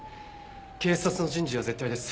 警察の人事は絶対です。